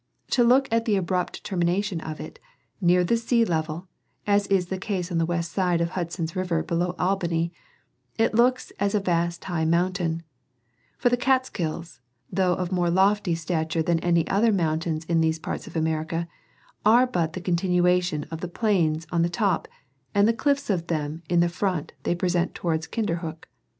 To look at the abrupt termination of it, near the sea level, as is the case on the west side of Hudson's river below Albany, it looks as a vast high mountain ; for the Kaats Kills, though of more lofty stature than any other mountains in these parts of America, are but the continuation of the Plains on the top, and the cliffs of them in the front they present towards Kinderhook.